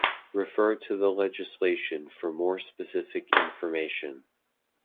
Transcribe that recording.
Refer to the legislation for more specific information.